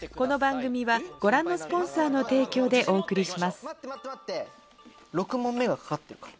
何これ⁉６問目がかかってるから。